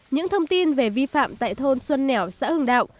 những thông tin về vi phạm tại thôn xuân nẻo xã hưng đạo